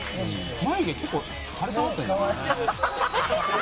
「眉毛結構垂れ下がってるんだね」